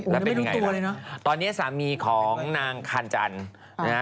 แล้วเป็นอย่างไรแล้วตอนนี้สามีของนางคันจันนะครับไม่รู้ตัวเลยนะ